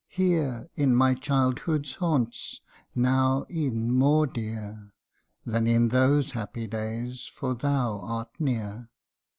Here in my childhood's haunts, now ev'n more dear Than in those happy days, for thou art near.